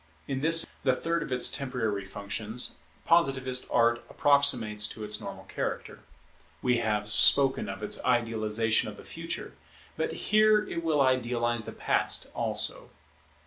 In this, the third of its temporary functions, Positivist Art approximates to its normal character. We have spoken of its idealization of the Future, but here it will idealize the Past also.